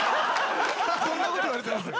そんなこと言われてますよ？